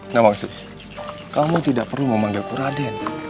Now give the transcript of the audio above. namangsi kamu tidak perlu memanggilku raden